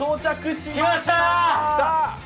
来ました！